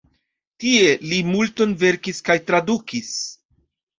Tie li multon verkis kaj tradukis.